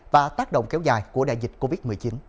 và tác động kéo dài của đại dịch covid một mươi chín